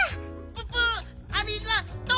ププありがと！